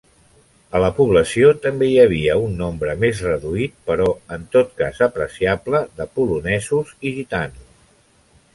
A la població, també hi havia un nombre més reduït, però en tot cas apreciable, de polonesos i gitanos.